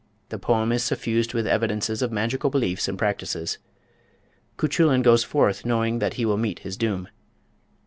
The poem is suffused with evidences of magical beliefs and practices. Cuchullin goes forth knowing that he will meet his doom.